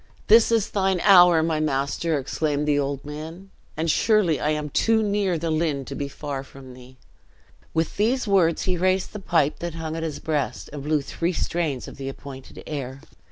"This is thine hour, my master!" exclaimed the old man; "and surely I am too near the Lynn to be far from thee!" With these words he raised the pipe that hung at his breast, and blew three strains of the appointed air.